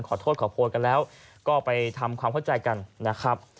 ขอโทษขอโพยกันแล้วก็ไปทำความเข้าใจกันนะครับ